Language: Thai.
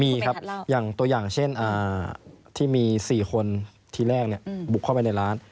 มีครับอย่างตัวอย่างเช่นที่มี๔คนทีแรกบุกเข้าไปในร้าน